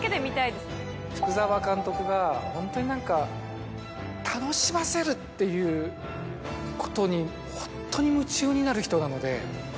福澤監督がホントに何か楽しませるっていうことにホントに夢中になる人なので。